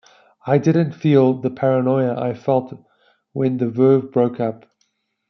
I didn't feel the paranoia I felt when The Verve broke up.